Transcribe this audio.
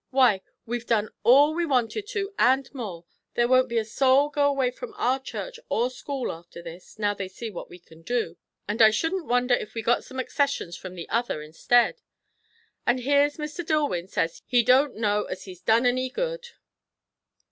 Why, we've done all we wanted to, and more. There won't a soul go away from our church or school after this, now they see what we can do; and I shouldn't wonder if we got some accessions from the other instead. And here's Mr. Dillwyn says he don't know as he's done any good!"